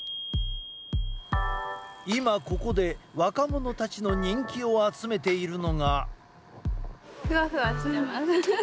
今、ここで若者たちの人気を集めているのが。